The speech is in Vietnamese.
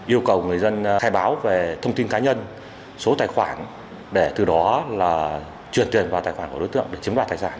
yêu cầu người dân khai báo về thông tin cá nhân số tài khoản để từ đó là truyền tiền vào tài khoản của đối tượng để chiếm đoạt tài sản